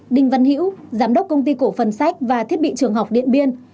đinh văn hữu giám đốc công ty cổ phần sách và thiết bị trường học điện biên